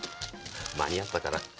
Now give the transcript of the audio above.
間に合ったかな？